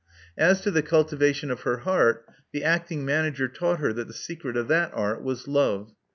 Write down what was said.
As to the cultivation of her heart, the acting manager taught her that the secret of that art was love.